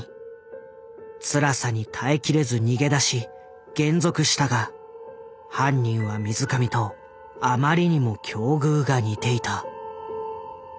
つらさに耐えきれず逃げ出し還俗したが犯人は水上とあまりにも境遇が似ていた。